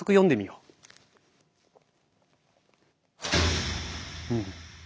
うん。